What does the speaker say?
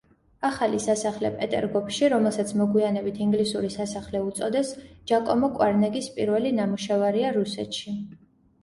ახალი სასახლე პეტერგოფში, რომელსაც მოგვიანებით ინგლისური სასახლე უწოდეს, ჯაკომო კვარნეგის პირველი ნამუშევარია რუსეთში.